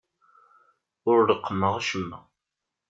Ur reqqmeɣ acemma.